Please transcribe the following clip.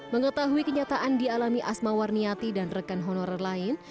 mengetahui kenyataan dialami asma warniati dan rekan honorer lain